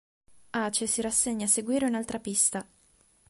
Ace si rassegna a seguire un'altra pista.